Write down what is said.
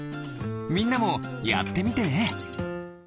みんなもやってみてね。